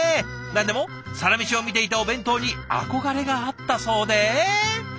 何でも「サラメシ」を見ていてお弁当に憧れがあったそうで。